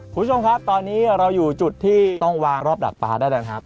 คุณผู้ชมครับตอนนี้เราอยู่จุดที่ต้องวางรอบดักปลาได้แล้วนะครับ